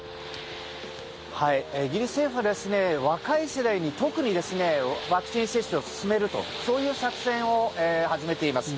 イギリス政府は若い世代に特にワクチン接種を進めるとそういう作戦を始めています。